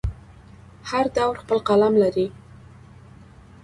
هر دور خپل قلم لري.